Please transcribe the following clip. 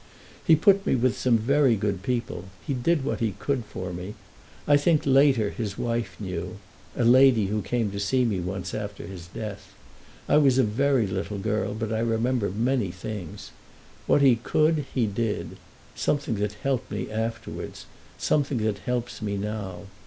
He put me with some very good people—he did what he could for me. I think, later, his wife knew—a lady who came to see me once after his death. I was a very little girl, but I remember many things. What he could he did—something that helped me afterwards, something that helps me now.